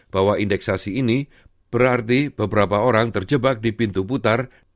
bahwa indekstasi ini berarti beberapa orang terjebak di pintu putar